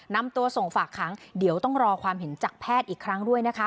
นำตัวส่งฝากขังเดี๋ยวต้องรอความเห็นจากแพทย์อีกครั้งด้วยนะคะ